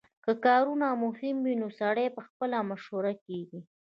که کارونه مهم وي نو سړی پخپله مشهور کیږي